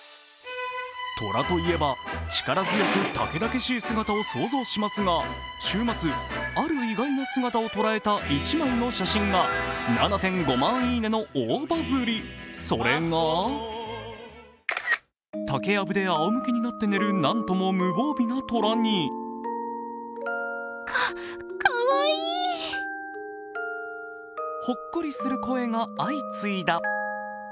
虎といえば、力強くたけだけしい姿を想像しますが週末、ある意外な姿を捉えた１枚の写真が７．５万いいねの大バズり、それが、竹やぶであおむけになって無防備に寝る虎に、ほっこりする声が相次いだ。